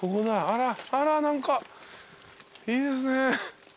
あら何かいいですね。